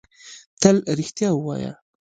تل رېښتيا وايه